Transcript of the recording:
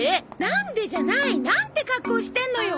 なんでじゃない！なんて格好してんのよ。